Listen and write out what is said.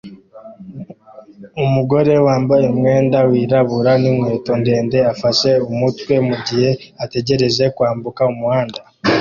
Umugore wambaye umwenda wirabura ninkweto ndende afashe umutwe mugihe ategereje kwambuka umuhanda